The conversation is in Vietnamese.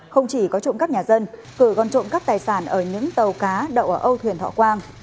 không chỉ có trộm cắp nhà dân cửa còn trộm cắp tài sản ở những tàu cá đậu ở âu thuyền thọ quang